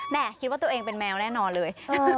คิดว่าตัวเองเป็นแมวแน่นอนเลย